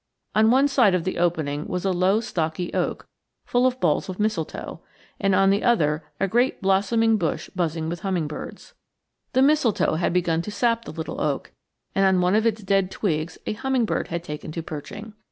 On one side of the opening was a low stocky oak, full of balls of mistletoe, and on the other a great blossoming bush buzzing with hummingbirds. The mistletoe had begun to sap the little oak, and on one of its dead twigs a hummingbird had taken to perching.